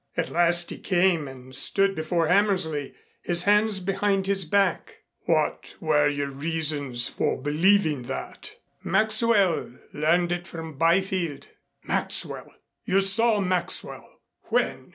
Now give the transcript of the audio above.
At last he came and stood before Hammersley, his hands behind his back. "What were your reasons for believing that?" "Maxwell learned it from Byfield." "Maxwell! You saw Maxwell when?"